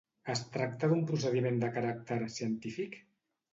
Es tracta d'un procediment de caràcter científic?